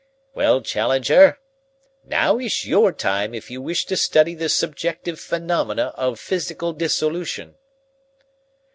Well, Challenger, now is your time if you wish to study the subjective phenomena of physical dissolution."